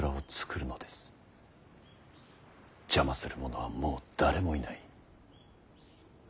邪魔する者はもう誰もいない。